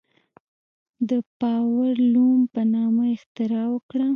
د پاور لوم په نامه اختراع وکړه.